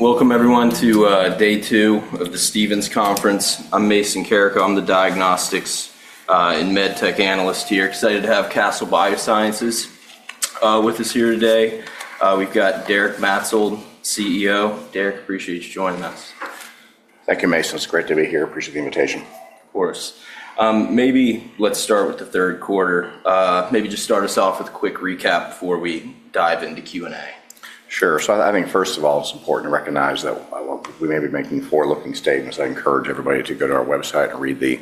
Welcome, everyone, to Day 2 of the Stephens Conference. I'm Mason Carrico. I'm the Diagnostics and Medtech Analyst here. Excited to have Castle Biosciences with us here today. We've got Derek Maetzold, CEO. Derek, appreciate you joining us. Thank you, Mason. It's great to be here. Appreciate the invitation. Of course. Maybe let's start with the third quarter. Maybe just start us off with a quick recap before we dive into Q&A. Sure. I think, first of all, it's important to recognize that we may be making forward-looking statements. I encourage everybody to go to our website and read the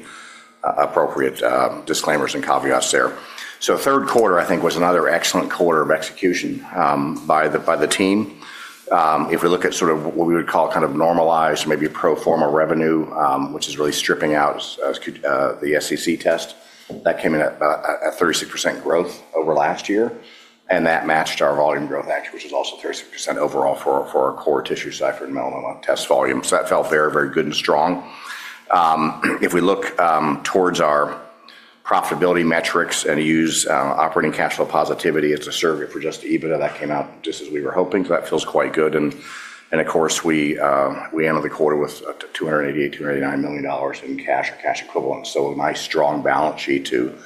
appropriate disclaimers and caveats there. Third quarter, I think, was another excellent quarter of execution by the team. If we look at sort of what we would call kind of normalized, maybe pro forma revenue, which is really stripping out the SCC test, that came in at 36% growth over last year. That matched our volume growth, actually, which is also 36% overall for our core TissueCypher and Melanoma test volume. That felt very, very good and strong. If we look towards our profitability metrics and use operating cash flow positivity as a surrogate for just EBITDA, that came out just as we were hoping. That feels quite good. Of course, we ended the quarter with $288 million, $289 million in cash or cash equivalents. A nice strong balance sheet to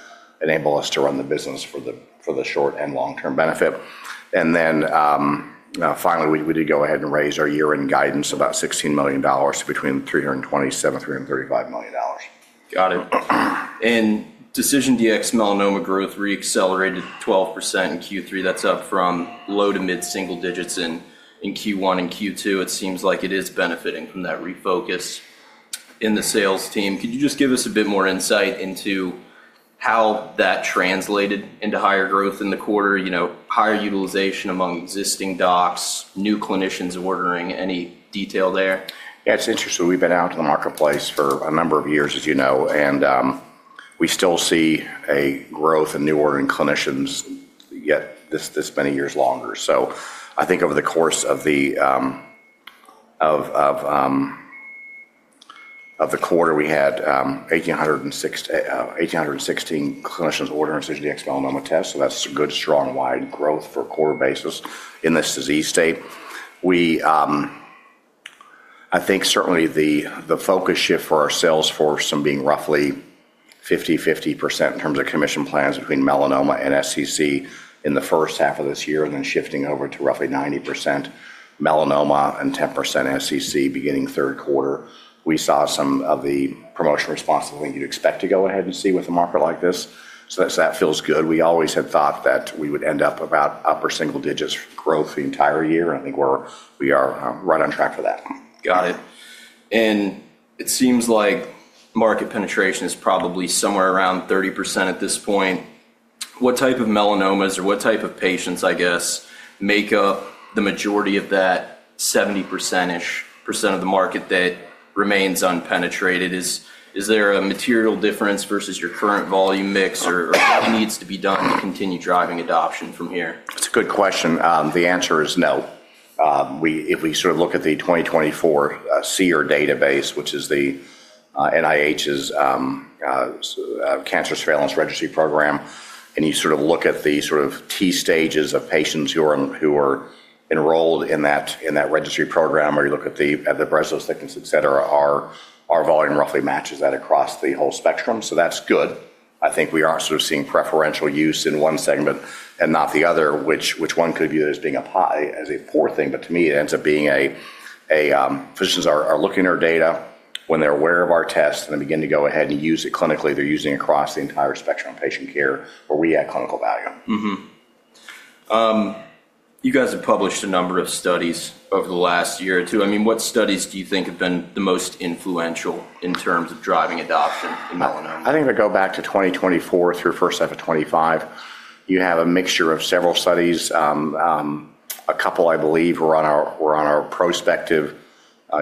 enable us to run the business for the short and long-term benefit. Finally, we did go ahead and raise our year-end guidance about $16 million between $327 million-$335 million. Got it. DecisionDx-Melanoma growth reaccelerated 12% in Q3. That's up from low to mid single digits in Q1 and Q2. It seems like it is benefiting from that refocus in the sales team. Could you just give us a bit more insight into how that translated into higher growth in the quarter? Higher utilization among existing docs, new clinicians ordering. Any detail there? Yeah, it's interesting. We've been out in the marketplace for a number of years, as you know, and we still see a growth in new ordering clinicians yet this many years longer. I think over the course of the quarter, we had 1,816 clinicians ordering DecisionDx-Melanoma tests. That's a good, strong, wide growth for a quarter basis in this disease state. I think certainly the focus shift for our sales force from being roughly 50%/50% in terms of commission plans between melanoma and SCC in the first half of this year, and then shifting over to roughly 90% melanoma and 10% SCC beginning third quarter. We saw some of the promotional response that you'd expect to go ahead and see with a market like this. That feels good. We always had thought that we would end up about upper single digits growth the entire year. I think we are right on track for that. Got it. It seems like market penetration is probably somewhere around 30% at this point. What type of melanomas or what type of patients, I guess, make up the majority of that 70%-ish percent of the market that remains unpenetrated? Is there a material difference versus your current volume mix or what needs to be done to continue driving adoption from here? That's a good question. The answer is no. If we sort of look at the 2024 SEER database, which is the NIH's Cancer Surveillance Registry Program, and you sort of look at the sort of T stages of patients who are enrolled in that registry program, or you look at the breast cell thickens, et cetera, our volume roughly matches that across the whole spectrum. That's good. I think we are sort of seeing preferential use in one segment and not the other, which one could view as being a poor thing. To me, it ends up being a physicians are looking at our data when they're aware of our tests and then begin to go ahead and use it clinically. They're using it across the entire spectrum of patient care where we add clinical value. You guys have published a number of studies over the last year or two. I mean, what studies do you think have been the most influential in terms of driving adoption in melanoma? I think if I go back to 2024 through the first half of 2025, you have a mixture of several studies. A couple, I believe, were on our prospective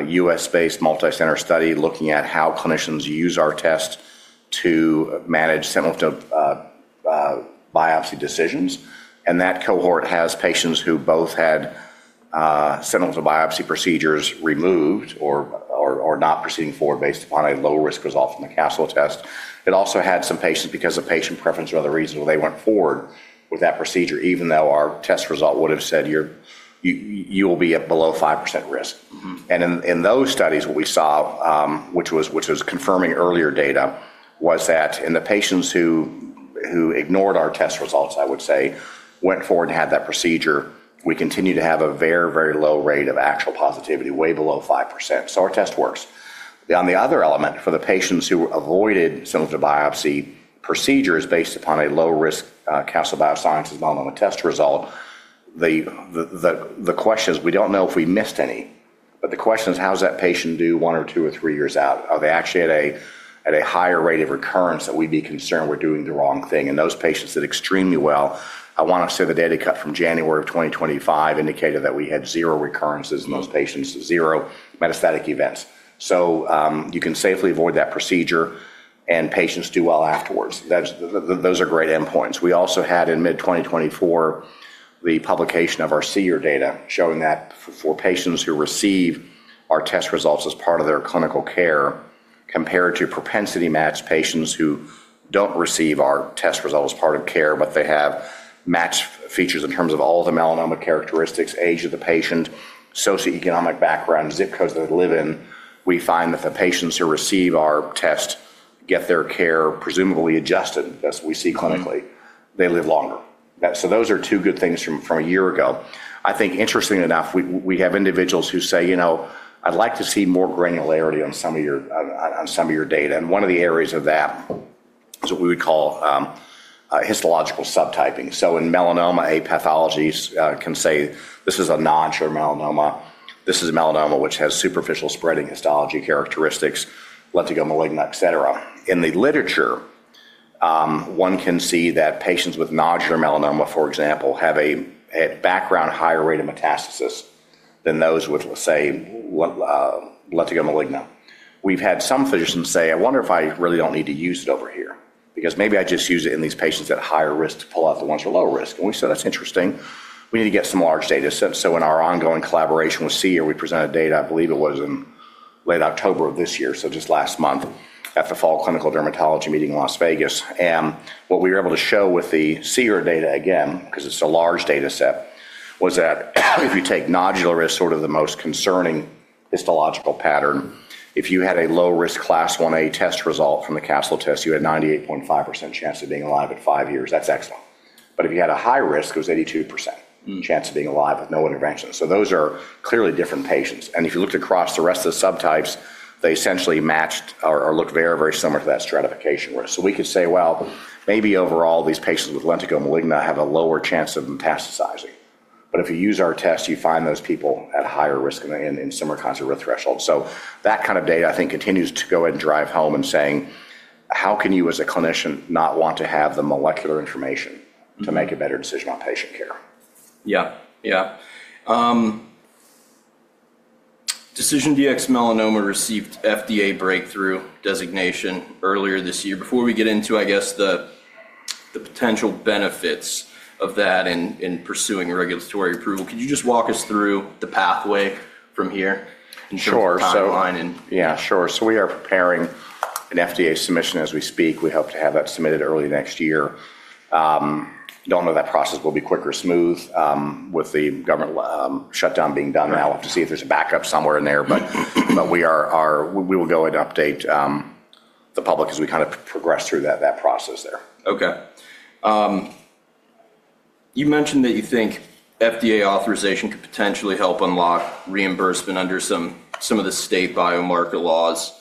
U.S.-based multicenter study looking at how clinicians use our test to manage sentinel lymph node biopsy decisions. And that cohort has patients who both had sentinel lymph node biopsy procedures removed or not proceeding forward based upon a low-risk result from the Castle test. It also had some patients, because of patient preference or other reasons, they went forward with that procedure, even though our test result would have said you will be at below 5% risk. In those studies, what we saw, which was confirming earlier data, was that in the patients who ignored our test results, I would say, went forward and had that procedure, we continue to have a very, very low rate of actual positivity, way below 5%. Our test works. On the other element, for the patients who avoided sentinel cell biopsy procedures based upon a low-risk Castle Biosciences Melanoma test result, the question is we do not know if we missed any. The question is, how does that patient do one or two or three years out? Are they actually at a higher rate of recurrence that we would be concerned we are doing the wrong thing? Those patients did extremely well. I want to say the data cut from January of 2025 indicated that we had zero recurrences in those patients, zero metastatic events. You can safely avoid that procedure, and patients do well afterwards. Those are great endpoints. We also had in mid-2024 the publication of our SEER data showing that for patients who receive our test results as part of their clinical care compared to propensity match patients who do not receive our test result as part of care, but they have matched features in terms of all the melanoma characteristics, age of the patient, socioeconomic background, zip codes they live in, we find that the patients who receive our test get their care presumably adjusted as we see clinically. They live longer. Those are two good things from a year ago. I think, interestingly enough, we have individuals who say, you know, I'd like to see more granularity on some of your data. One of the areas of that is what we would call histological subtyping. In melanoma, a pathologist can say, this is a nodular melanoma. This is a melanoma which has superficial spreading histology characteristics, lentigo maligna, et cetera. In the literature, one can see that patients with nodular melanoma, for example, have a background higher rate of metastasis than those with, let's say, lentigo maligna. We've had some physicians say, I wonder if I really don't need to use it over here because maybe I just use it in these patients at higher risk to pull out the ones who are low risk. We said, that's interesting. We need to get some large data sets. In our ongoing collaboration with SEER, we presented data, I believe it was in late October of this year, so just last month, at the Fall Clinical Dermatology meeting in Las Vegas. What we were able to show with the SEER data again, because it is a large data set, was that if you take nodular as sort of the most concerning histological pattern, if you had a low-risk class 1A test result from the Castle test, you had a 98.5% chance of being alive at five years. That is excellent. If you had a high risk, it was 82% chance of being alive with no intervention. Those are clearly different patients. If you looked across the rest of the subtypes, they essentially matched or looked very, very similar to that stratification risk. You could say, maybe overall, these patients with lentigo maligna have a lower chance of metastasizing. If you use our test, you find those people at higher risk in similar kinds of risk thresholds. That kind of data, I think, continues to go ahead and drive home and saying, how can you as a clinician not want to have the molecular information to make a better decision on patient care? Yeah, yeah. DecisionDx-Melanoma received FDA breakthrough designation earlier this year. Before we get into, I guess, the potential benefits of that in pursuing regulatory approval, could you just walk us through the pathway from here and show the timeline? Sure. We are preparing an FDA submission as we speak. We hope to have that submitted early next year. I do not know that process will be quick or smooth with the government shutdown being done now. We will have to see if there is a backup somewhere in there. We will go and update the public as we kind of progress through that process there. Okay. You mentioned that you think FDA authorization could potentially help unlock reimbursement under some of the state biomarker laws.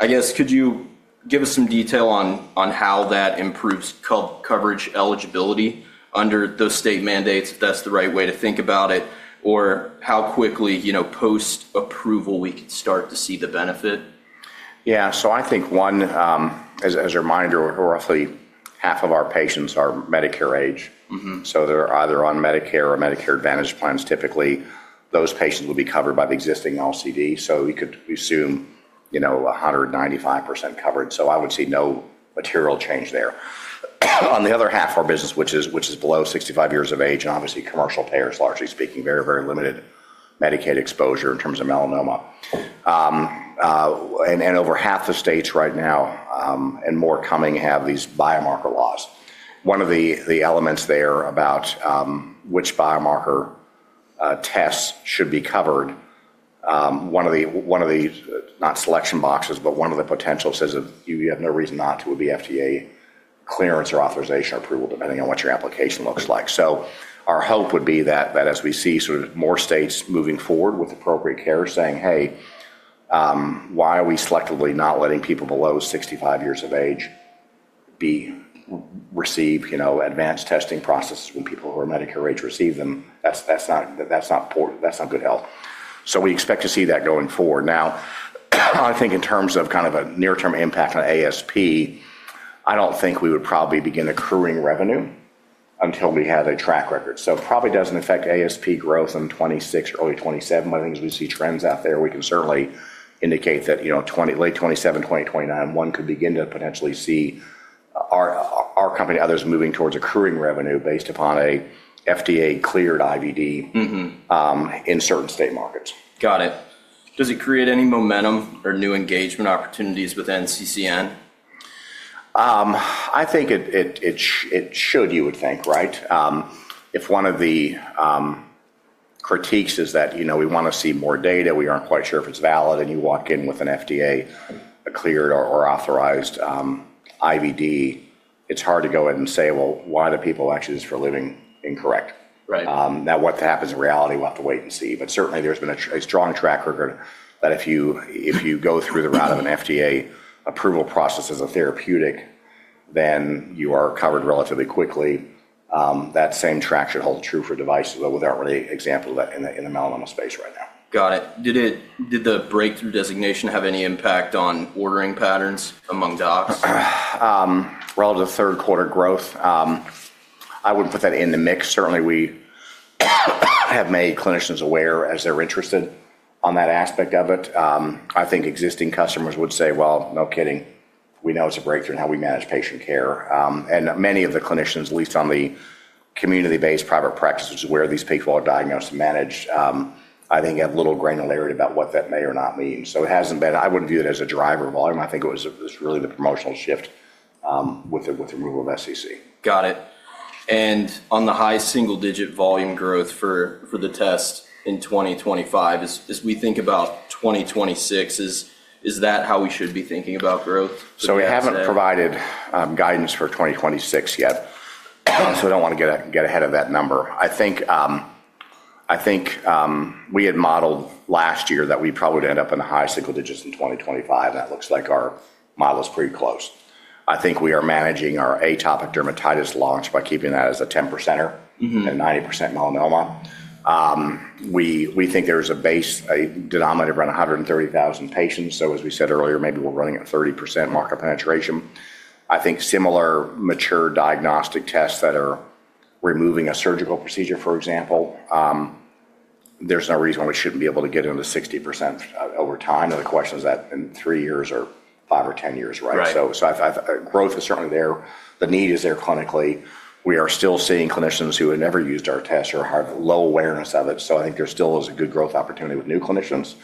I guess, could you give us some detail on how that improves coverage eligibility under those state mandates, if that's the right way to think about it, or how quickly post-approval we could start to see the benefit? Yeah. I think one, as a reminder, roughly half of our patients are Medicare age. So they're either on Medicare or Medicare Advantage plans. Typically, those patients would be covered by the existing LCD. We could assume 195% coverage. I would see no material change there. On the other half of our business, which is below 65 years of age, and obviously commercial payers, largely speaking, very, very limited Medicaid exposure in terms of melanoma. Over half the states right now, and more coming, have these biomarker laws. One of the elements there about which biomarker tests should be covered, one of the, not selection boxes, but one of the potentials says you have no reason not to would be FDA clearance or authorization or approval, depending on what your application looks like. Our hope would be that as we see sort of more states moving forward with appropriate care saying, hey, why are we selectively not letting people below 65 years of age receive advanced testing processes when people who are Medicare age receive them? That's not good health. We expect to see that going forward. Now, I think in terms of kind of a near-term impact on ASP, I don't think we would probably begin accruing revenue until we have a track record. It probably does not affect ASP growth in 2026 or early 2027. I think as we see trends out there, we can certainly indicate that late 2027, 2029, one could begin to potentially see our company, others moving towards accruing revenue based upon an FDA-cleared IVD in certain state markets. Got it. Does it create any momentum or new engagement opportunities with NCCN? I think it should, you would think, right? If one of the critiques is that we want to see more data, we aren't quite sure if it's valid, and you walk in with an FDA-cleared or authorized IVD, it's hard to go ahead and say, well, why are the people actually just for living incorrect? Now, what happens in reality, we'll have to wait and see. Certainly, there's been a strong track record that if you go through the route of an FDA approval process as a therapeutic, then you are covered relatively quickly. That same track should hold true for devices, though we don't really example that in the melanoma space right now. Got it. Did the breakthrough designation have any impact on ordering patterns among docs? The third quarter growth, I wouldn't put that in the mix. Certainly, we have made clinicians aware as they're interested on that aspect of it. I think existing customers would say, no kidding. We know it's a breakthrough in how we manage patient care. Many of the clinicians, at least on the community-based private practices where these people are diagnosed and managed, I think have little granularity about what that may or may not mean. It hasn't been, I wouldn't view it as a driver of volume. I think it was really the promotional shift with the removal of SCC. Got it. On the high single-digit volume growth for the test in 2025, as we think about 2026, is that how we should be thinking about growth? We have not provided guidance for 2026 yet. We do not want to get ahead of that number. I think we had modeled last year that we probably would end up in the high single digits in 2025. That looks like our model is pretty close. I think we are managing our atopic dermatitis launch by keeping that as a 10%er and 90% melanoma. We think there is a denominator around 130,000 patients. As we said earlier, maybe we are running a 30% marker penetration. I think similar mature diagnostic tests that are removing a surgical procedure, for example, there is no reason why we should not be able to get into 60% over time. The question is that in three years or five or ten years, right? Growth is certainly there. The need is there clinically. We are still seeing clinicians who have never used our test or have low awareness of it. I think there still is a good growth opportunity with new clinicians.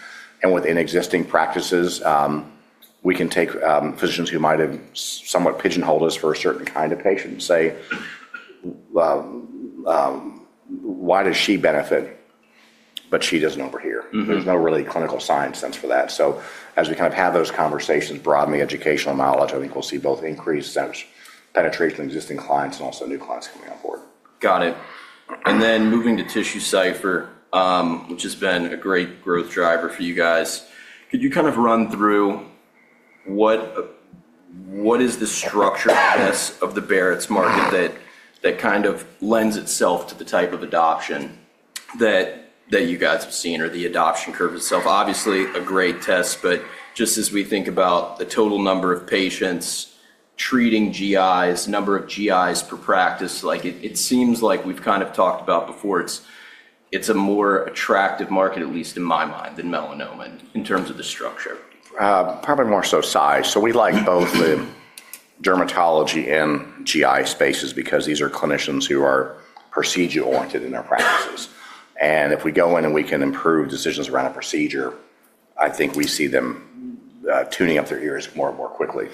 Within existing practices, we can take physicians who might have somewhat pigeonholed us for a certain kind of patient and say, why does she benefit, but she does not over here? There is no really clinical science sense for that. As we kind of have those conversations, broaden the educational knowledge, I think we will see both increased penetration in existing clients and also new clients coming on board. Got it. Then moving to TissueCypher, which has been a great growth driver for you guys, could you kind of run through what is the structure of the Barrett's market that kind of lends itself to the type of adoption that you guys have seen or the adoption curve itself? Obviously, a great test, but just as we think about the total number of patients treating GIs, number of GIs per practice, it seems like we've kind of talked about before, it's a more attractive market, at least in my mind, than melanoma in terms of the structure. Probably more so size. We like both the dermatology and GI spaces because these are clinicians who are procedure-oriented in their practices. If we go in and we can improve decisions around a procedure, I think we see them tuning up their ears more and more quickly.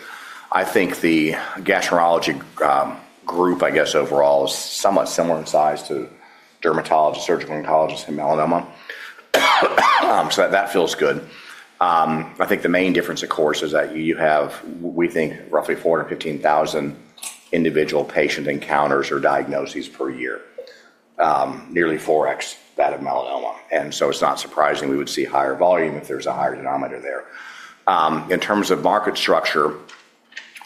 I think the gastroenterology group, I guess overall, is somewhat similar in size to dermatologists, surgical oncologists in melanoma. That feels good. I think the main difference, of course, is that you have, we think, roughly 415,000 individual patient encounters or diagnoses per year, nearly 4x that of melanoma. It is not surprising we would see higher volume if there is a higher denominator there. In terms of market structure,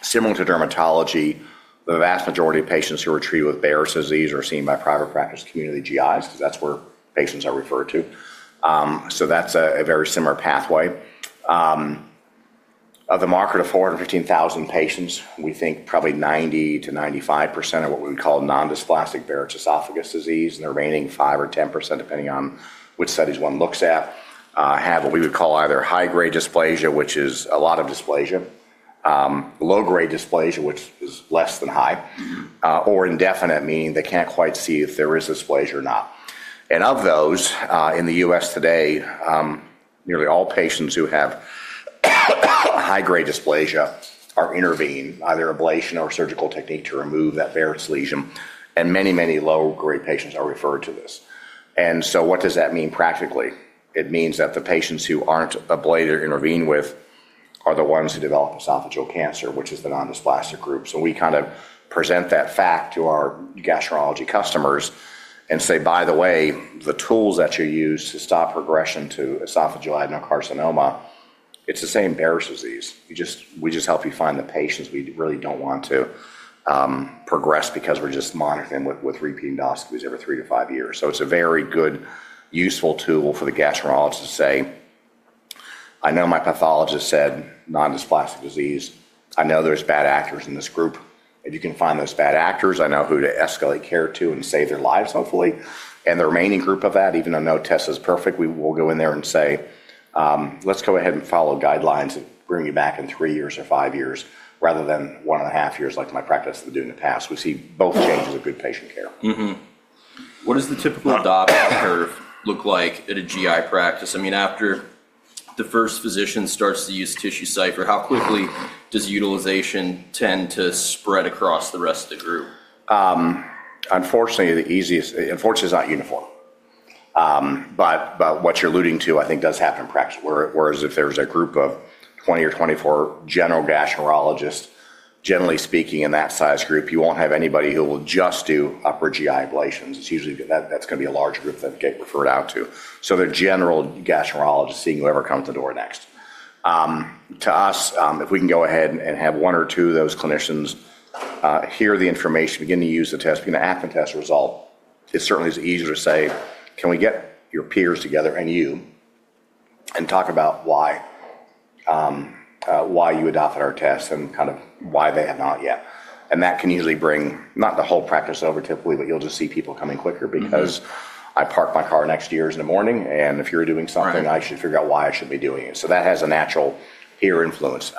similar to dermatology, the vast majority of patients who are treated with Barrett's disease are seen by private practice community GIs because that is where patients are referred to. That's a very similar pathway. Of the market of 415,000 patients, we think probably 90%-95% are what we would call non-dysplastic Barrett's esophagus disease. The remaining 5% or 10%, depending on which studies one looks at, have what we would call either high-grade dysplasia, which is a lot of dysplasia, low-grade dysplasia, which is less than high, or indefinite, meaning they can't quite see if there is dysplasia or not. Of those, in the U.S. today, nearly all patients who have high-grade dysplasia are intervened, either ablation or surgical technique to remove that Barrett's lesion. Many, many low-grade patients are referred to this. What does that mean practically? It means that the patients who aren't ablated or intervened with are the ones who develop esophageal cancer, which is the non-dysplastic group. We kind of present that fact to our gastroenterology customers and say, by the way, the tools that you use to stop progression to esophageal adenocarcinoma, it's the same Barrett's disease. We just help you find the patients. We really don't want to progress because we're just monitoring them with repeat endoscopies every three to five years. It's a very good, useful tool for the gastroenterologist to say, I know my pathologist said non-dysplastic disease. I know there's bad actors in this group. If you can find those bad actors, I know who to escalate care to and save their lives, hopefully. The remaining group of that, even though no test is perfect, we will go in there and say, let's go ahead and follow guidelines and bring you back in three years or five years rather than one and a half years like my practice has been doing in the past. We see both changes of good patient care. What does the typical adoption curve look like at a GI practice? I mean, after the first physician starts to use TissueCypher, how quickly does utilization tend to spread across the rest of the group? Unfortunately, it's not uniform. What you're alluding to, I think, does happen in practice. Whereas if there's a group of 20 or 24 general gastroenterologists, generally speaking, in that size group, you won't have anybody who will just do upper GI ablations. Usually, that's going to be a large group that get referred out to. They're general gastroenterologists seeing whoever comes to the door next. To us, if we can go ahead and have one or two of those clinicians hear the information, begin to use the test, begin to act on test results, it certainly is easier to say, can we get your peers together and you and talk about why you adopted our test and kind of why they have not yet? That can usually bring not the whole practice over typically, but you'll just see people coming quicker because I park my car next to yours in the morning, and if you're doing something, I should figure out why I should be doing it. That has a natural peer influence.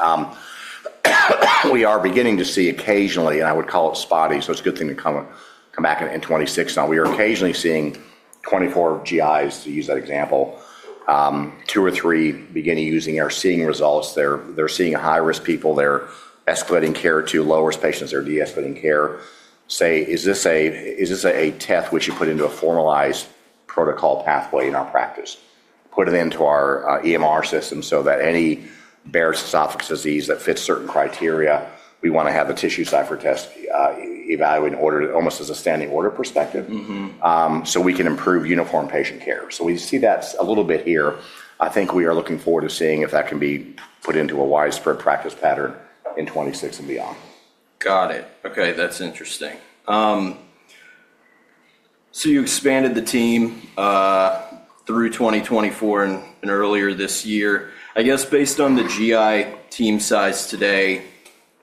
We are beginning to see occasionally, and I would call it spotty, so it's a good thing to come back in 2026. We are occasionally seeing 24 GIs, to use that example, two or three begin using or seeing results. They're seeing high-risk people. They're escalating care to low-risk patients. They're de-escalating care. Say, is this a test which you put into a formalized protocol pathway in our practice? Put it into our EMR system so that any Barrett's esophagus disease that fits certain criteria, we want to have a TissueCypher test evaluated almost as a standing order perspective so we can improve uniform patient care. We see that a little bit here. I think we are looking forward to seeing if that can be put into a widespread practice pattern in 2026 and beyond. Got it. Okay. That's interesting. You expanded the team through 2024 and earlier this year. I guess based on the GI team size today,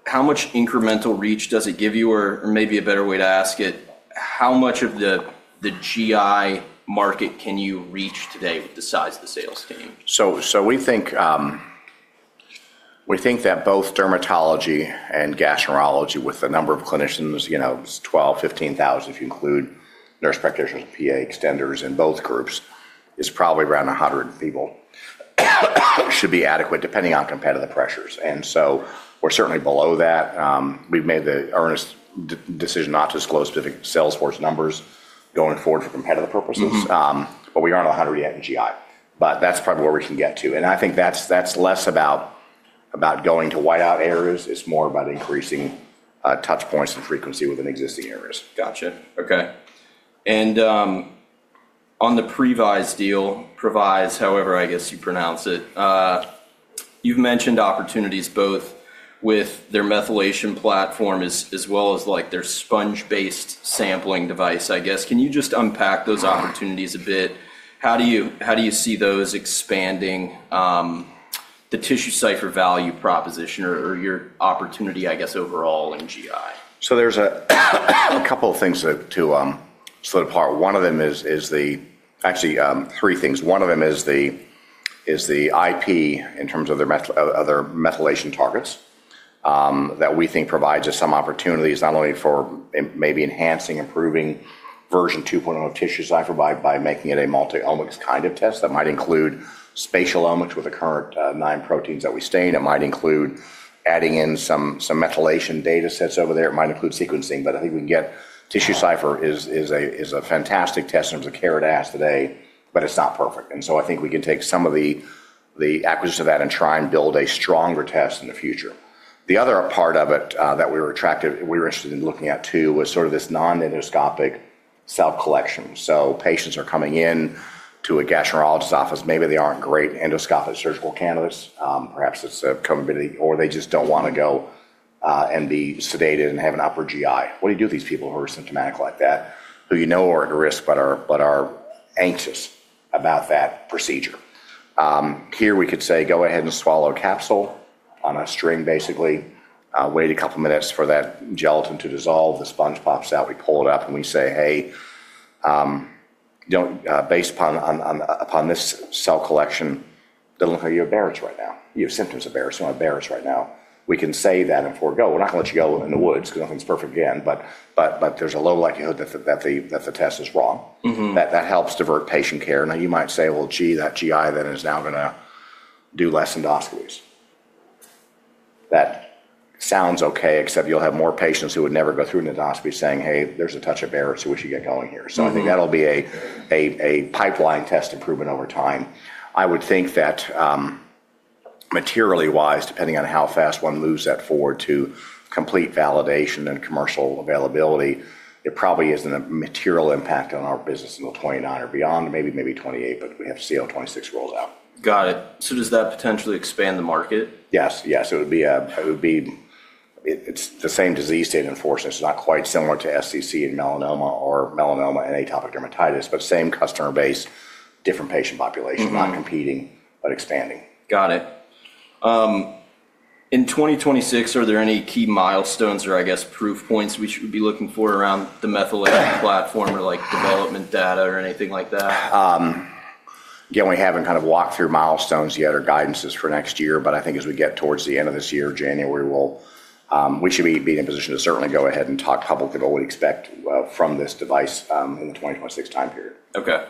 how much incremental reach does it give you? Or maybe a better way to ask it, how much of the GI market can you reach today with the size of the sales team? We think that both dermatology and gastroenterology with the number of clinicians, 12,000, 15,000, if you include nurse practitioners, PA extenders in both groups, is probably around 100 people. It should be adequate depending on competitive pressures. We are certainly below that. We have made the earnest decision not to disclose specific Salesforce numbers going forward for competitive purposes, but we are not 100 yet in GI. That is probably where we can get to. I think that is less about going to whiteout areas. It is more about increasing touch points and frequency within existing areas. Got it. Okay. On the Previse deal, Previse, however, I guess you pronounce it, you've mentioned opportunities both with their methylation platform as well as their sponge-based sampling device. I guess can you just unpack those opportunities a bit? How do you see those expanding the TissueCypher value proposition or your opportunity, I guess, overall in GI? There are a couple of things to split apart. One of them is actually three things. One of them is the IP in terms of their methylation targets that we think provides us some opportunities not only for maybe enhancing, improving version 2.0 of TissueCypher by making it a multi-omics kind of test. That might include spatial omics with the current nine proteins that we stain. It might include adding in some methylation data sets over there. It might include sequencing. I think TissueCypher is a fantastic test in terms of care it has today, but it's not perfect. I think we can take some of the acquisition of that and try and build a stronger test in the future. The other part of it that we were attracted, we were interested in looking at too was sort of this non-endoscopic self-collection. Patients are coming into a gastroenterologist's office. Maybe they aren't great endoscopic surgical candidates. Perhaps it's a comorbidity or they just don't want to go and be sedated and have an upper GI. What do you do with these people who are symptomatic like that, who you know are at risk but are anxious about that procedure? Here we could say, go ahead and swallow a capsule on a string, basically. Wait a couple of minutes for that gelatin to dissolve. The sponge pops out. We pull it up and we say, hey, based upon this self-collection, it doesn't look like you have Barrett's right now. You have symptoms of Barrett's. You don't have Barrett's right now. We can say that and forego. We're not going to let you go in the woods because nothing's perfect again, but there's a low likelihood that the test is wrong. That helps divert patient care. Now you might say, well, gee, that GI then is now going to do less endoscopies. That sounds okay, except you'll have more patients who would never go through an endoscopy saying, hey, there's a touch of Barrett's. We should get going here. I think that'll be a pipeline test improvement over time. I would think that materially wise, depending on how fast one moves that forward to complete validation and commercial availability, it probably isn't a material impact on our business until 2029 or beyond, maybe 2028, but we have to see how 2026 rolls out. Got it. Does that potentially expand the market? Yes. It would be the same disease state enforcement. It's not quite similar to SCC and Melanoma or melanoma and atopic dermatitis, but same customer base, different patient population, not competing, but expanding. Got it. In 2026, are there any key milestones or, I guess, proof points we should be looking for around the methylation platform or development data or anything like that? Again, we haven't kind of walked through milestones yet or guidances for next year, but I think as we get towards the end of this year, January, we should be in a position to certainly go ahead and talk publicly about what we expect from this device in the 2026 time period. Okay.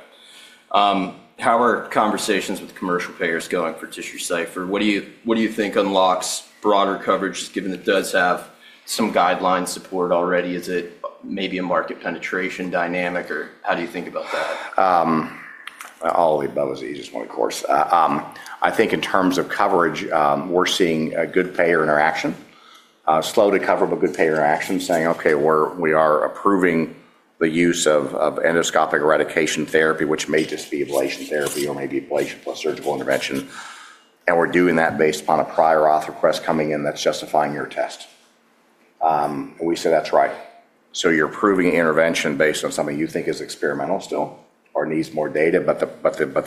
How are conversations with commercial payers going for TissueCypher? What do you think unlocks broader coverage given it does have some guideline support already? Is it maybe a market penetration dynamic or how do you think about that? I'll leave that with the easiest one, of course. I think in terms of coverage, we're seeing a good payer interaction, slow to cover but good payer interaction, saying, okay, we are approving the use of endoscopic eradication therapy, which may just be ablation therapy or maybe ablation plus surgical intervention. We're doing that based upon a prior auth request coming in that's justifying your test. We say that's right. You're approving intervention based on something you think is experimental still or needs more data, but the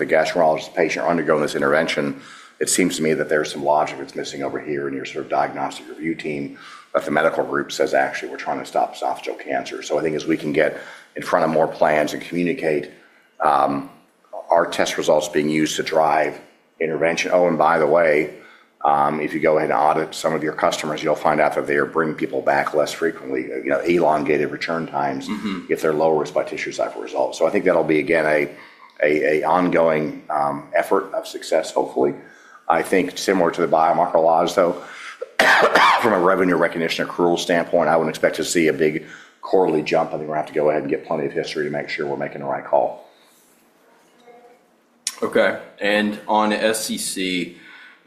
gastroenterologist patient undergoing this intervention, it seems to me that there's some logic that's missing over here in your sort of diagnostic review team that the medical group says, actually, we're trying to stop esophageal cancer. I think as we can get in front of more plans and communicate our test results being used to drive intervention. Oh, and by the way, if you go ahead and audit some of your customers, you'll find out that they are bringing people back less frequently, elongated return times if they're lower by TissueCypher results. I think that'll be, again, an ongoing effort of success, hopefully. I think similar to the biomarker laws, though, from a revenue recognition accrual standpoint, I wouldn't expect to see a big quarterly jump. I think we're going to have to go ahead and get plenty of history to make sure we're making the right call. Okay. On SCC,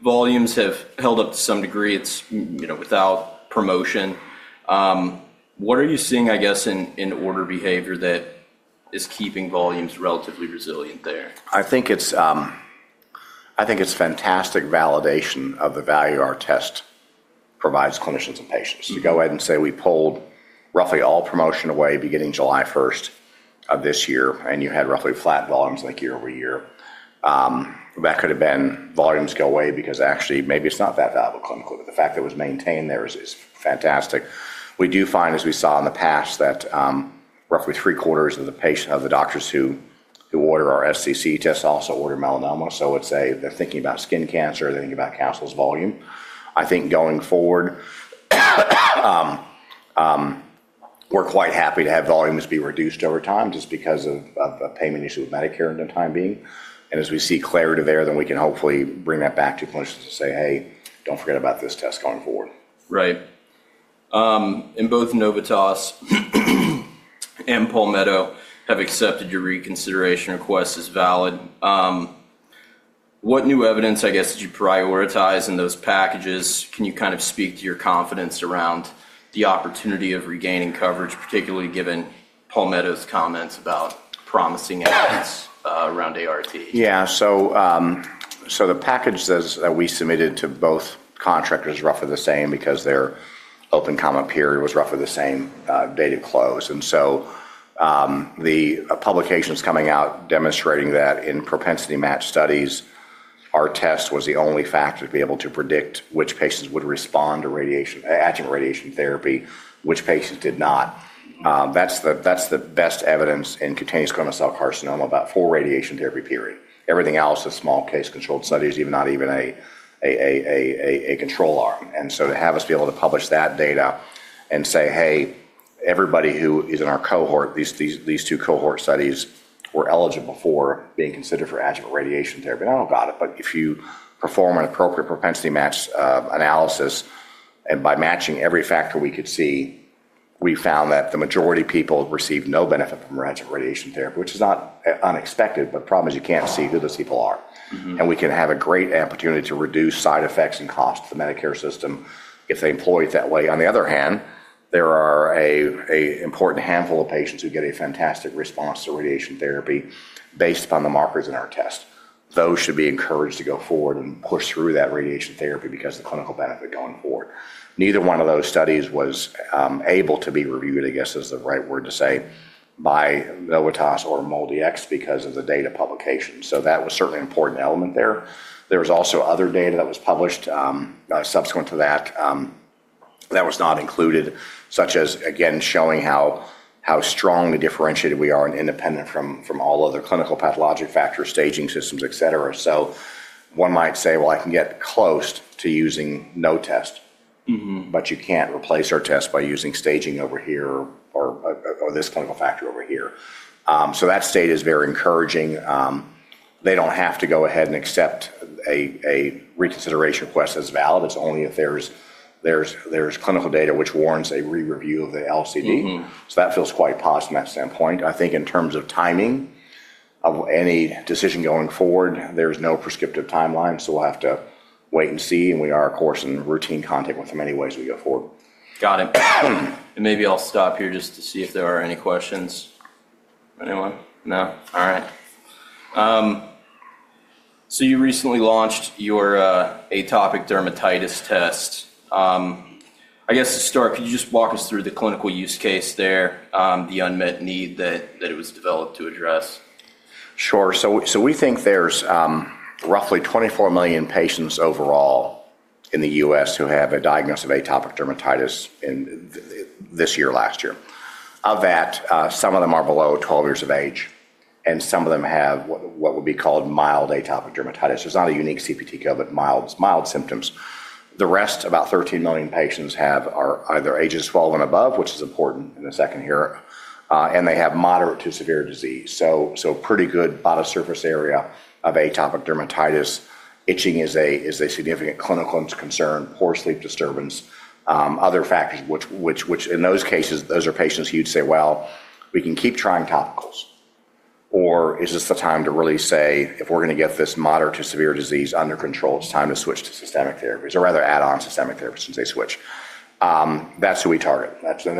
volumes have held up to some degree. It is without promotion. What are you seeing, I guess, in order behavior that is keeping volumes relatively resilient there? I think it's fantastic validation of the value our test provides clinicians and patients. You go ahead and say we pulled roughly all promotion away beginning July 1 of this year, and you had roughly flat volumes like year over year. That could have been volumes go away because actually maybe it's not that valuable clinically, but the fact that it was maintained there is fantastic. We do find, as we saw in the past, that roughly three quarters of the doctors who order our SCC test also order melanoma. Let's say they're thinking about skin cancer, they're thinking about Castle's volume. I think going forward, we're quite happy to have volumes be reduced over time just because of a payment issue with Medicare in the time being. As we see clarity there, then we can hopefully bring that back to clinicians and say, hey, don't forget about this test going forward. Right. Both Novitas and Palmetto have accepted your reconsideration request as valid. What new evidence, I guess, did you prioritize in those packages? Can you kind of speak to your confidence around the opportunity of regaining coverage, particularly given Palmetto's comments about promising evidence around ART? Yeah. The packages that we submitted to both contractors were roughly the same because their open comment period was roughly the same date of close. The publication is coming out demonstrating that in propensity-matched studies, our test was the only factor to be able to predict which patients would respond to adjuvant radiation therapy, which patients did not. That's the best evidence in cutaneous squamous cell carcinoma about full radiation therapy. Everything else is small case controlled studies, even not even a control arm. To have us be able to publish that data and say, hey, everybody who is in our cohort, these two cohort studies were eligible for being considered for adjuvant radiation therapy. I don't got it, but if you perform an appropriate propensity match analysis and by matching every factor we could see, we found that the majority of people received no benefit from adjuvant radiation therapy, which is not unexpected, but the problem is you can't see who those people are. We can have a great opportunity to reduce side effects and cost to the Medicare system if they employ it that way. On the other hand, there are an important handful of patients who get a fantastic response to radiation therapy based upon the markers in our test. Those should be encouraged to go forward and push through that radiation therapy because of the clinical benefit going forward. Neither one of those studies was able to be reviewed, I guess is the right word to say, by Novitas or MolDX because of the data publication. That was certainly an important element there. There was also other data that was published subsequent to that that was not included, such as, again, showing how strongly differentiated we are and independent from all other clinical pathologic factors, staging systems, etc. One might say, well, I can get close to using no test, but you can't replace our test by using staging over here or this clinical factor over here. That state is very encouraging. They don't have to go ahead and accept a reconsideration request as valid. It's only if there's clinical data which warrants a re-review of the LCD. That feels quite positive from that standpoint. I think in terms of timing of any decision going forward, there's no prescriptive timeline, so we'll have to wait and see. We are, of course, in routine contact with them anyway as we go forward. Got it. Maybe I'll stop here just to see if there are any questions. Anyone? No? All right. You recently launched your atopic dermatitis test. I guess to start, could you just walk us through the clinical use case there, the unmet need that it was developed to address? Sure. We think there's roughly 24 million patients overall in the U.S. who have a diagnosis of atopic dermatitis this year, last year. Of that, some of them are below 12 years of age, and some of them have what would be called mild atopic dermatitis. It's not a unique CPT code, but mild symptoms. The rest, about 13 million patients, have either ages 12 and above, which is important in the second here, and they have moderate to severe disease. Pretty good body surface area of atopic dermatitis. Itching is a significant clinical concern, poor sleep disturbance. Other factors, which in those cases, those are patients who you'd say, you know, we can keep trying topicals, or is this the time to really say, if we're going to get this moderate to severe disease under control, it's time to switch to systemic therapies or rather add on systemic therapies and say switch. That's who we target.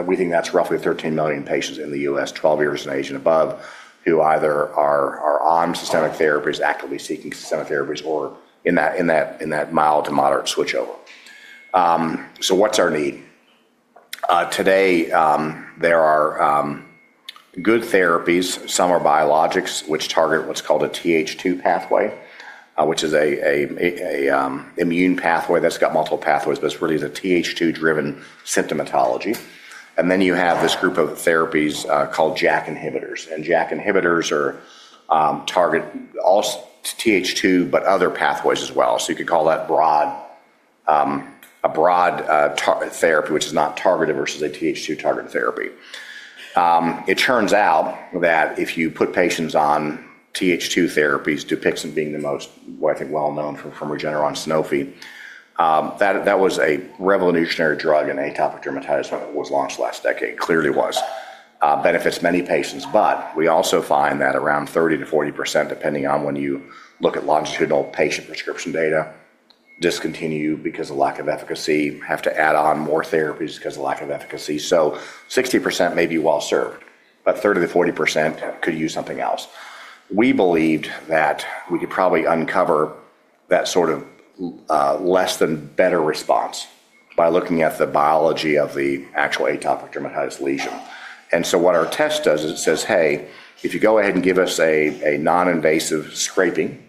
We think that's roughly 13 million patients in the U.S., 12 years in age and above, who either are on systemic therapies, actively seeking systemic therapies, or in that mild to moderate switchover. What's our need? Today, there are good therapies. Some are biologics, which target what's called a Th2 pathway, which is an immune pathway that's got multiple pathways, but it's really the Th2-driven symptomatology. Then you have this group of therapies called JAK inhibitors. JAK inhibitors target all Th2, but other pathways as well. You could call that a broad therapy, which is not targeted versus a Th2-targeted therapy. It turns out that if you put patients on Th2 therapies, Dupixent being the most, I think, well-known from Regeneron-Sanofi, that was a revolutionary drug in atopic dermatitis when it was launched last decade. Clearly was. Benefits many patients, but we also find that around 30%-40%, depending on when you look at longitudinal patient prescription data, discontinue because of lack of efficacy, have to add on more therapies because of lack of efficacy. So 60% may be well served, but 30%-40% could use something else. We believed that we could probably uncover that sort of less than better response by looking at the biology of the actual atopic dermatitis lesion. What our test does is it says, hey, if you go ahead and give us a non-invasive scraping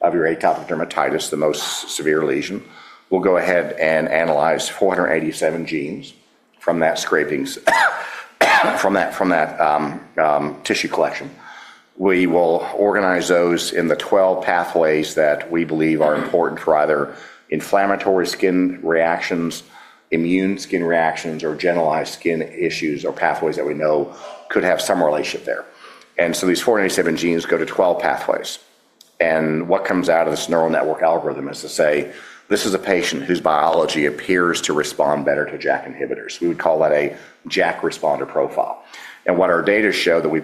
of your atopic dermatitis, the most severe lesion, we'll go ahead and analyze 487 genes from that scraping, from that tissue collection. We will organize those in the 12 pathways that we believe are important for either inflammatory skin reactions, immune skin reactions, or generalized skin issues or pathways that we know could have some relationship there. These 487 genes go to 12 pathways. What comes out of this neural network algorithm is to say, this is a patient whose biology appears to respond better to JAK inhibitors. We would call that a JAK responder profile. What our data show that we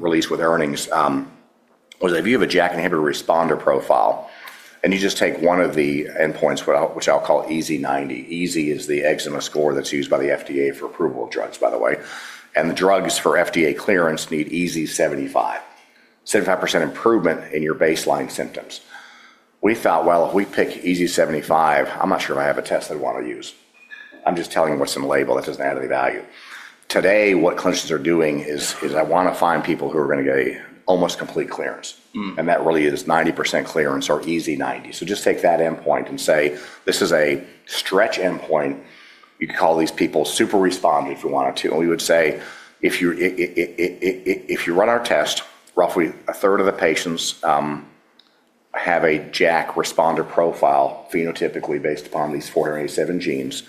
released with earnings was a view of a JAK inhibitor responder profile, and you just take one of the endpoints, which I'll call EASI-90. EASI is the eczema score that's used by the FDA for approval of drugs, by the way. And the drugs for FDA clearance need EASI-75, 75% improvement in your baseline symptoms. We thought, well, if we pick EASI-75, I'm not sure if I have a test I'd want to use. I'm just telling you what's in the label that doesn't add any value. Today, what clinicians are doing is I want to find people who are going to get almost complete clearance. And that really is 90% clearance or EASI-90. Just take that endpoint and say, this is a stretch endpoint. You could call these people super respond if you wanted to. And we would say, if you run our test, roughly a third of the patients have a JAK responder profile phenotypically based upon these 487 genes.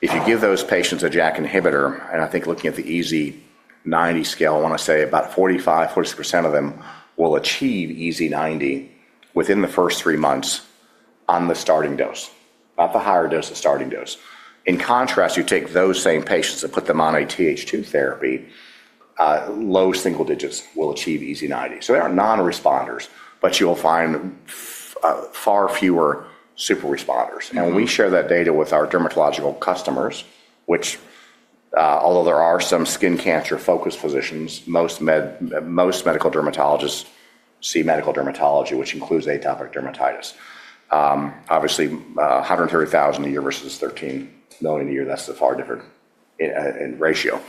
If you give those patients a JAK inhibitor, and I think looking at the EASI-90 scale, I want to say about 45%-46% of them will achieve EASI-90 within the first three months on the starting dose, not the higher dose, the starting dose. In contrast, you take those same patients and put them on a Th2 therapy, low single digits will achieve EASI-90. They are non-responders, but you will find far fewer super responders. When we share that data with our dermatological customers, which although there are some skin cancer-focused physicians, most medical dermatologists see medical dermatology, which includes atopic dermatitis. Obviously, 130,000 a year versus 13 million a year, that's a far different ratio.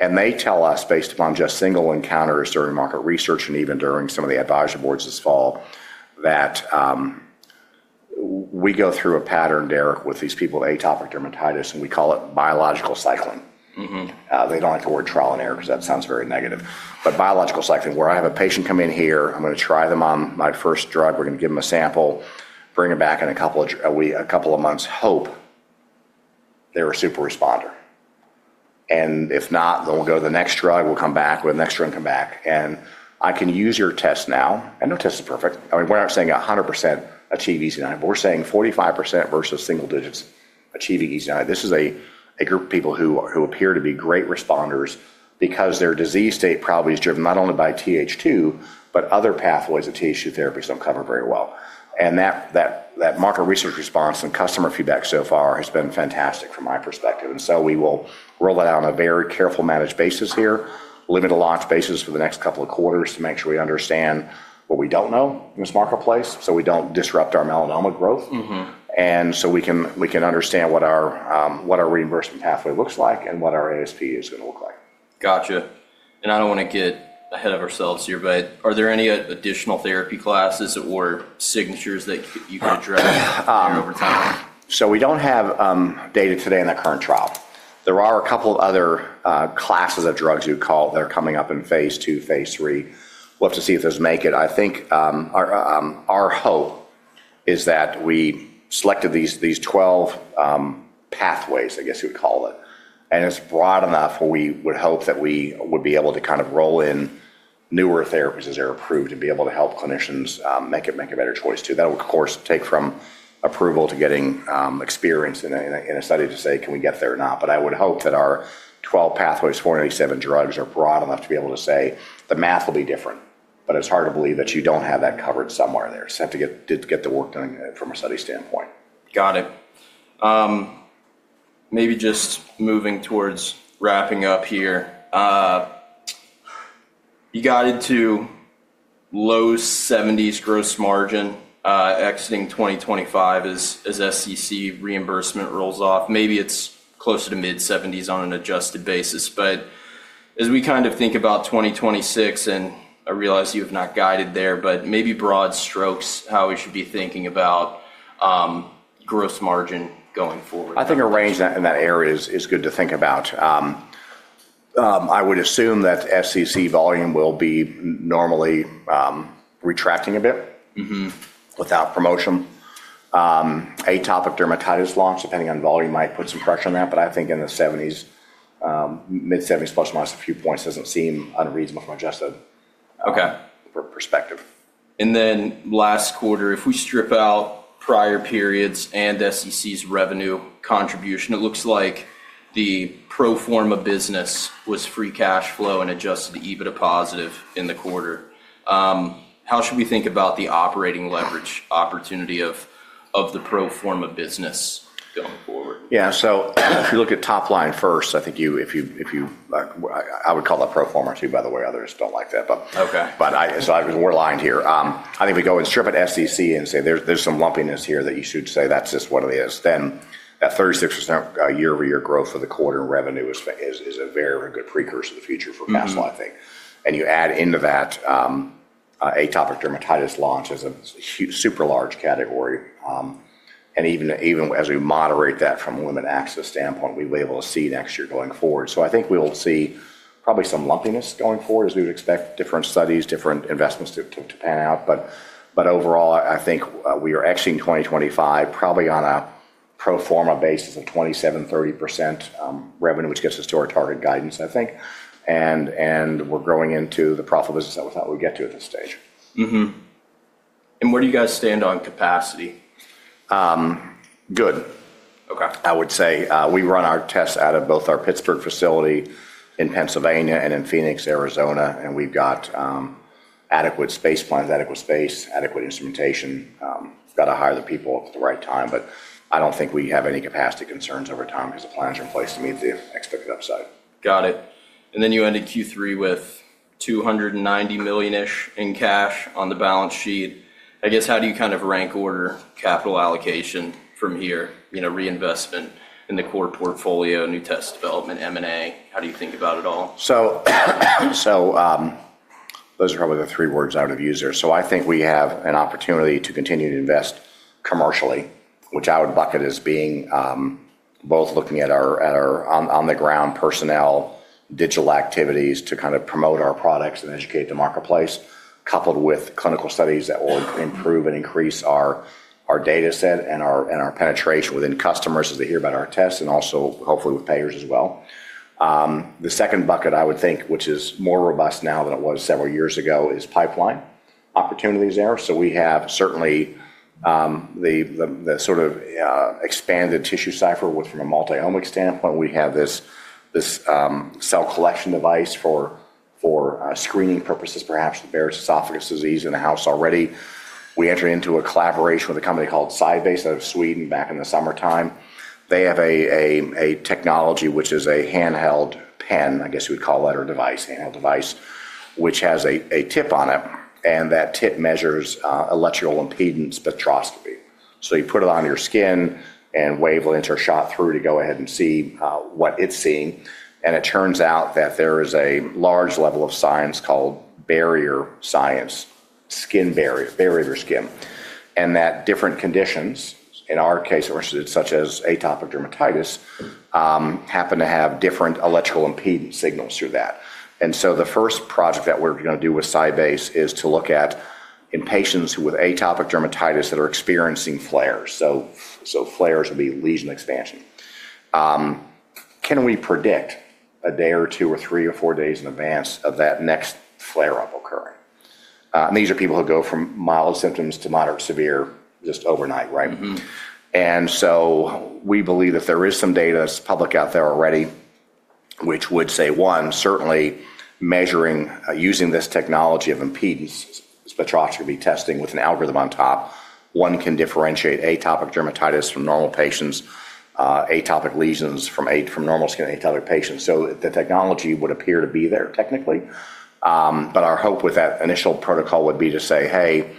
They tell us based upon just single encounters during market research and even during some of the advisory boards this fall that we go through a pattern, Derek, with these people with atopic dermatitis, and we call it biological cycling. They do not like the word trial and error because that sounds very negative. Biological cycling, where I have a patient come in here, I am going to try them on my first drug, we are going to give them a sample, bring them back in a couple of months, hope they are a super responder. If not, then we will go to the next drug, we will come back, we will have the next drug come back. I can use your test now, and no test is perfect. I mean, we are not saying 100% achieve EASI-90, but we are saying 45% versus single digits achieve EASI-90. This is a group of people who appear to be great responders because their disease state probably is driven not only by Th2, but other pathways that Th2 therapies do not cover very well. That market research response and customer feedback so far has been fantastic from my perspective. We will roll it out on a very carefully managed basis here, limited launch basis for the next couple of quarters to make sure we understand what we do not know in this marketplace so we do not disrupt our melanoma growth. We can understand what our reimbursement pathway looks like and what our ASP is going to look like. Got it. I do not want to get ahead of ourselves here, but are there any additional therapy classes or signatures that you could address here over time? We do not have data today in the current trial. There are a couple of other classes of drugs that are coming up in phase II, phase III. We will have to see if those make it. I think our hope is that we selected these 12 pathways, I guess you would call it, and it is broad enough where we would hope that we would be able to kind of roll in newer therapies as they are approved and be able to help clinicians make a better choice too. That will, of course, take from approval to getting experience in a study to say, can we get there or not? I would hope that our 12 pathways, 487 drugs are broad enough to be able to say the math will be different, but it is hard to believe that you do not have that covered somewhere there. You have to get the work done from a study standpoint. Got it. Maybe just moving towards wrapping up here. You got into low 70% gross margin exiting 2025 as SCC reimbursement rolls off. Maybe it's closer to mid-70s on an adjusted basis. As we kind of think about 2026, and I realize you have not guided there, maybe broad strokes, how we should be thinking about gross margin going forward. I think a range in that area is good to think about. I would assume that SCC volume will be normally retracting a bit without promotion. Atopic dermatitis launch, depending on volume, might put some pressure on that, but I think in the 70s, mid-70s plus or minus a few points does not seem unreasonable from an adjusted perspective. Last quarter, if we strip out prior periods and SCC's revenue contribution, it looks like the pro forma business was free cash flow and adjusted EBITDA positive in the quarter. How should we think about the operating leverage opportunity of the pro forma business going forward? Yeah. If you look at top line first, I think if you I would call that pro forma too, by the way. Others do not like that. We are aligned here. I think we go and strip out SCC and say there is some lumpiness here that you should say that is just what it is. That 36% year-over-year growth for the quarter in revenue is a very, very good precursor to the future for Castle, I think. You add into that atopic dermatitis launch as a super large category. Even as we moderate that from a women access standpoint, we will be able to see next year going forward. I think we will see probably some lumpiness going forward as we would expect different studies, different investments to pan out. Overall, I think we are exiting 2025 probably on a pro forma basis of 27%-30% revenue, which gets us to our target guidance, I think. And we're growing into the profitable business that we thought we would get to at this stage. Where do you guys stand on capacity? Good. I would say we run our tests out of both our Pittsburgh facility in Pennsylvania and in Phoenix, Arizona, and we've got adequate space plans, adequate space, adequate instrumentation. We've got to hire the people at the right time, but I don't think we have any capacity concerns over time because the plans are in place to meet the expected upside. Got it. And then you ended Q3 with $290 million-ish in cash on the balance sheet. I guess how do you kind of rank order capital allocation from here, reinvestment in the core portfolio, new test development, M&A? How do you think about it all? Those are probably the three words I would have used there. I think we have an opportunity to continue to invest commercially, which I would bucket as being both looking at our on-the-ground personnel, digital activities to kind of promote our products and educate the marketplace, coupled with clinical studies that will improve and increase our data set and our penetration within customers as they hear about our tests and also hopefully with payers as well. The second bucket I would think, which is more robust now than it was several years ago, is pipeline opportunities there. We have certainly the sort of expanded TissueCypher from a multi-omic standpoint. We have this cell collection device for screening purposes, perhaps various esophagus disease in the house already. We entered into a collaboration with a company called SciBase out of Sweden back in the summertime. They have a technology, which is a handheld pen, I guess you would call that, or device, handheld device, which has a tip on it. That tip measures electrical impedance spectroscopy. You put it on your skin and wavelengths are shot through to go ahead and see what it's seeing. It turns out that there is a large level of science called barrier science, skin barrier, barrier to skin. Different conditions, in our case, such as atopic dermatitis, happen to have different electrical impedance signals through that. The first project that we're going to do with SciBase is to look at in patients with atopic dermatitis that are experiencing flares. Flares would be lesion expansion. Can we predict a day or two or three or four days in advance of that next flare-up occurring? These are people who go from mild symptoms to moderate to severe just overnight, right? We believe that there is some data that's public out there already, which would say, one, certainly measuring using this technology of impedance spectroscopy testing with an algorithm on top, one can differentiate atopic dermatitis from normal patients, atopic lesions from normal skin atopic patients. The technology would appear to be there technically. Our hope with that initial protocol would be to say, hey,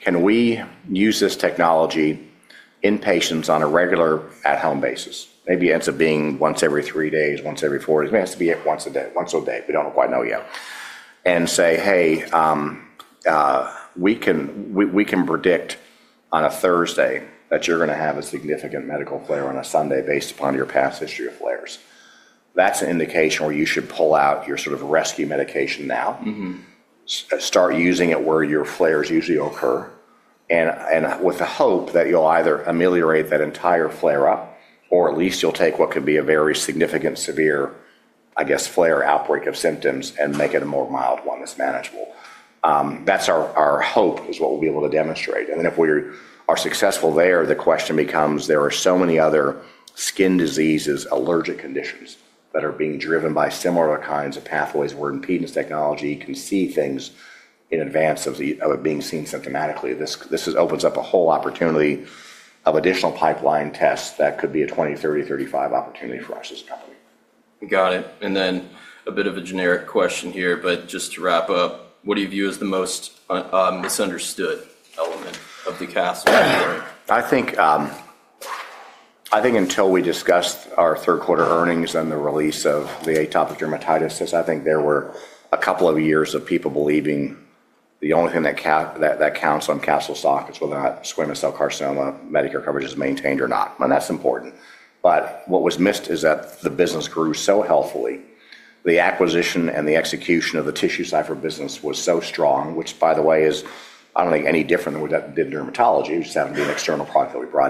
can we use this technology in patients on a regular at-home basis? Maybe it ends up being once every three days, once every four days. Maybe it has to be once a day, once a day. We don't quite know yet. We can predict on a Thursday that you're going to have a significant medical flare on a Sunday based upon your past history of flares. That's an indication where you should pull out your sort of rescue medication now, start using it where your flares usually occur, and with the hope that you'll either ameliorate that entire flare-up or at least you'll take what could be a very significant, severe, I guess, flare outbreak of symptoms and make it a more mild one that's manageable. That's our hope is what we'll be able to demonstrate. If we are successful there, the question becomes, there are so many other skin diseases, allergic conditions that are being driven by similar kinds of pathways where impedance technology can see things in advance of it being seen symptomatically. This opens up a whole opportunity of additional pipeline tests that could be a 20, 30, 35 opportunity for us as a company. Got it. A bit of a generic question here, but just to wrap up, what do you view as the most misunderstood element of the Castle story? I think until we discussed our third quarter earnings and the release of the atopic dermatitis tests, I think there were a couple of years of people believing the only thing that counts on Castle stock is whether or not squamous cell carcinoma Medicare coverage is maintained or not. That is important. What was missed is that the business grew so healthily. The acquisition and the execution of the TissueCypher business was so strong, which by the way is, I do not think any different than what that did in dermatology. It just happened to be an external product that we buy.